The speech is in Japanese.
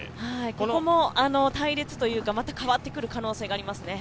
ここも隊列というか、また変わってくる可能性があります。